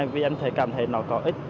vì em thấy cảm thấy nó có ích